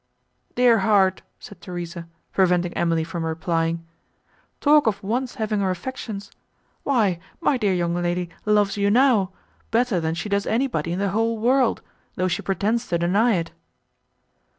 "Dear heart!" said Theresa, preventing Emily from replying, "talk of once having her affections! Why, my dear young lady loves you now, better than she does anybody in the whole world, though she pretends to deny it."